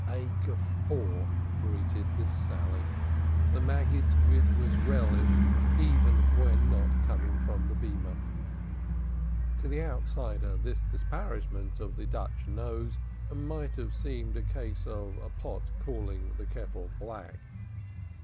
A guffaw greeted this sally. The Maggid's wit was relished even when not coming from the pulpit. To the outsider this disparagement of the Dutch nose might have seemed a case of pot calling kettle black.